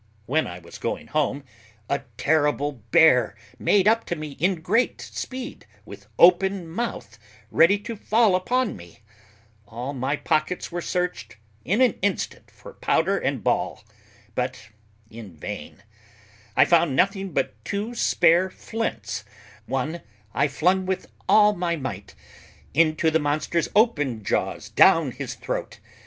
When I was going home a terrible bear made up to me in great speed, with open mouth, ready to fall upon me; all my pockets were searched in an instant for powder and ball, but in vain; I found nothing but two spare flints: one I flung with all my might into the monster's open jaws, down his throat.